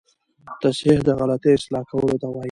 تصحیح د غلطیو اصلاح کولو ته وايي.